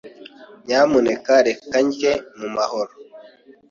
Nyamuneka reka ndye mu mahoro.